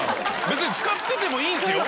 別に使っててもいいんですよ？